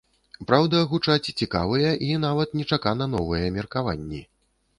Праўда, гучаць цікавыя і нават нечакана новыя меркаванні.